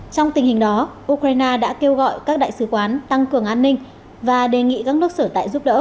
trong tình hình đó ukraine đã kêu gọi các đại sứ quán tăng cường an ninh và đề nghị các nước sở tại giúp đỡ